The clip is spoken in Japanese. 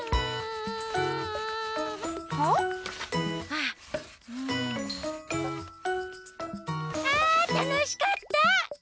あたのしかった！